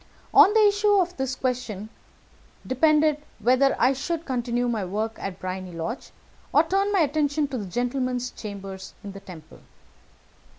On the issue of this question depended whether I should continue my work at Briony Lodge, or turn my attention to the gentleman's chambers in the Temple.